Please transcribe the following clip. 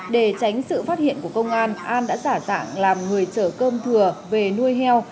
để tránh sự phát hiện của công an an đã giả dạng làm người chở cơm thừa về nuôi heo